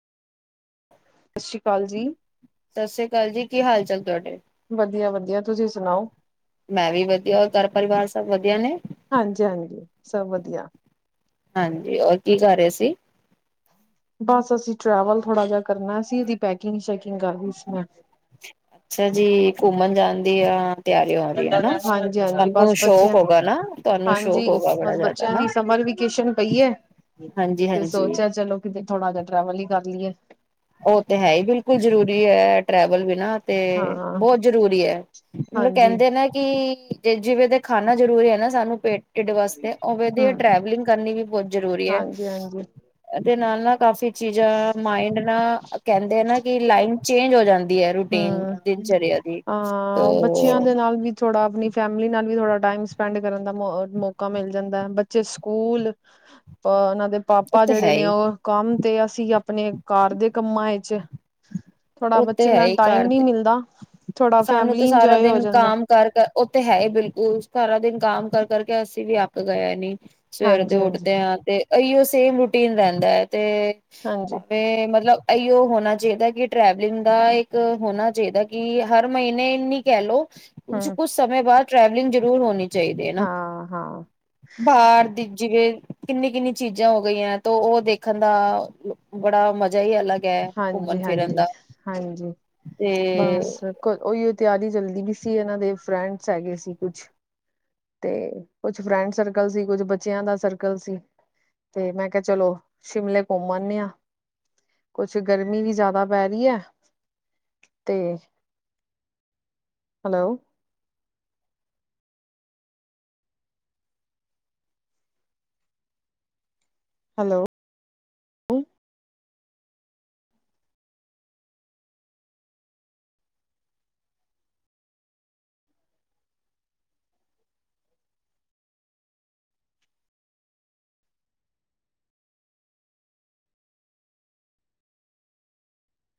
ਸਸ ਰੀ ਕਾਲ ਜੀ। ਸਤਿ ਸ੍ਰੀ ਅਕਾਲ ਜੀ ਕੀ ਹਾਲ ਚਾਲ ਤੁਹਾਡੇ ਵਧੀਆ ਵਧੀਆ ਤੁਸੀਂ ਸੁਣਾਓ ਮੈਂ ਵੀ ਵਧੀਆ ਰ ਘਰ ਪਰਿਵਾਰ ਸਭ ਵਧੀਆ ਨੇ ਆ ਹਾਂਜੀ ਹੋਰ ਕੀ ਕਰ ਰਹੇ ਸੀ ਬਸ ਅਸੀਂ ਟਰੈਵਲ ਥੋੜਾ ਜਿਹਾ ਕਰਨਾ ਅਸੀਂ ਇਹਦੀ ਪੈਕਿੰਗ ਸ਼ੈਕਿੰਗ ਕਰ ਰਹੀ ਸੀ ਮੈਂ ਅੱਛਾ ਜੀ ਘੁੰਮਣ ਜਾਣ ਤੇ ਅ ਹਾਂਜੀ ਹਾਂਜੀ ਬਸ ਸ਼ੌਕ ਬੱਚਿਆਂ ਹੋਗਾ ਨਾ ਤੁਹਾਨੂੰ ਸ਼ੌਕ ਹਾਂਜੀ ਹੋਗਾ ਬੜਾ ਬਸ ਜ਼ਿਆਦਾ ਬੱਚਿਆਂ ਨਾ ਦੀ ਸਮਰ ਵੇਕੇਸ਼ਨ ਪਈ ਹੈ ਹਾਂਜੀ ਤੇ ਹਾਂਜੀ ਸੋਚਿਆ ਚਲੋ ਕਿਤੇ ਥੋੜਾ ਜਹਾ ਟਰੈਵਲ ਹੀ ਕਰ ਲਈਏ ਉਹ ਤੇ ਹੈ ਹੀ ਬਿਲਕੁਲ ਜਰੂਰੀ ਹੈ ਟਰੈਵਲ ਬਿ ਨਾ ਤੇ ਹਾਂ ਬਹੁਤ ਜ਼ਰੂਰੀ ਹੈ ਮਤਲਬ ਹਾਂਜੀ ਕਹਿੰਦੇ ਨੇ ਕਿ ਜੇ ਜਿਵੇਂ ਤੇ ਖਾਣਾ ਜ਼ਰੂਰੀ ਹੈ ਨਾ ਸਾਨੂੰ ਢੇਡ ਵਾਸਤੇ ਉਹ ਵਧ ਹਮ ਟਰੈਵਲਿੰਗ ਕਰਨੀ ਵੀ ਬਹੁਤ ਜਰੂਰੀ ਹੈ ਹਾਂਜੀ ਹਾਂਜੀ ਦੇ ਨਾਲ ਨਾਲ ਕਾਫੀ ਚੀਜ਼ਾਂ ਮਾਇੰਡ ਕਹਿੰਦੇ [inaudible] ਨਾ ਕਿ ਲਾਈਨ ਚੇਂਜ ਹੋ ਜਾਂਦੀ ਹੈ ਰੂਟੀਨ ਹਮ ਦਿਨ ਚਰਿਆ ਦੀ ਤੋ ਅਾਂ ਬੱਚਿਆਂ ਦੇ ਨਾਲ ਵੀ ਥੋੜਾ ਆਪਣੀ ਫੈਮਿਲੀ ਨਾਲ ਵੀ ਥੋੜਾ ਟਾਈਮ ਸਪੈਂਡ ਕਰਨ ਦਾ ਮੌਕਾ ਮਿਲ ਜਾਂਦਾ ਹੈ ਬੱਚੇ ਸਕੂਲ ਦੇ ਉਹ ਪਾਪਾ ਤੇ ਜਿਹੜੇ ਹੈ ਨੇ ਹੀ ਉਹ ਕੰਮ ਤੇ ਅਸੀਂ ਆਪਣੇ ਕਾਰ ਦੇ ਕੰਮਾਂ ਵਿਚ ਥੋੜਾ ਉਹ ਤੇ ਹੈ ਨਾ ਹੀ ਟਾਈਮ ਘਰ ਨੀ ਦੇ ਮਿਲਦਾ ਥੋੜਾ ਸਾਨੂੰ ਤੇ ਫੈਮਲੀ ਸਾਰਾ ਇੰਜੋਏ ਹੋ ਦਿਨ ਜਾਂਦਾ ਕੰਮ ਕਰ ਉਹਥ ਹੈ ਬਿਲਕੁਲ ਸਾਰਾ ਦਿਨ ਆਮ ਕਰ ਕਰਕੇ ਅਸੀਂ ਵੀ ਅੱਕ ਗਏ ਨੀ ਸਵੇਰ ਦੇ ਹਾਂਜੀ ਹਾਂਜੀ ਉੱਠਦੇ ਹਾਂ ਤੇ ਅਹੀਓ ਸੇਮ ਰੁਟੀ ਪੀਨ ਰਹਿੰਦਾ ਹੈ ਤੇ ਹਾਂਜੀ ਮਤਲਬ ਇਓ ਹੋਣਾ ਚਾਹੀਦਾ ਕਿ ਟਰੈਵਲਿੰਗ ਦਾ ਇੱਕ ਹੋਣਾ ਚਾਹੀਦਾ ਕਿ ਹਰ ਮਹੀਨੇਨੀ ਕਹਿ ਲੋੋ ਤੁ ਹਮ ਕੁਛ ਸਮੇਂ ਬਾਅਦ ਟਰੈਵਲਿੰਗ ਜ਼ਰੂਰ ਹੋਣੀ ਚਾਹੀਦੇ ਨਾ ਹਾਂ ਹਾਂ ਬਾਹਰ ਦੀ ਜਿਵੇਂ, ਕਿੰਨੀ-ਕਿੰਨੀ ਚੀਜ਼ਾਂ ਹੋ ਗਈਆਂ ਤੋ, ਉਹ ਦੇਖਣ ਦਾ ਬੜਾ ਮਜ਼ਾ ਹੀ ਅਲੱਗ ਘੁੰਮਣ ਹਾਂਜੀ ਫਿਰਨ ਹਾਂਜੀ ਦਾ। ਹਾਂਜੀ ਬਸ ਤੇ ਉਹੀਓ ਤਿਆਰੀ ਚੱਲਦੀ ਪੀ ਸੀ, ਇਹਨਾਂ ਦੇ ਫਰੈਂਡਸ ਹੈਗੇ ਸੀ ਕੁਛ, ਤੇ ਕੁਛ ਫਰੈਂਡ ਸਰਕਲ ਸੀ, ਕੁਛ ਬੱਚਿਆਂ ਦਾ ਸਰਕਲ ਸੀ, ਤੇ, ਮੈਂ ਕਿਹਾ, ਚਲੋ ਸ਼ਿਮਲੇ ਘੁੰਮ ਆਂਨੇ ਆ। ਕੁਛ ਗਰਮੀ ਵੀ ਜ਼ਿਆਦਾ ਪੈ ਰਹੀ ਹੈ, ਤੇ, ਹੈਲੋ! ਹੈਲੋ!